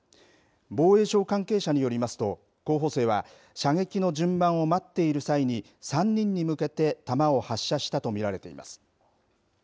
防衛省関係者によりますと候補生は射撃の順番を待っている際に３人に向けて弾を発射したと見られています。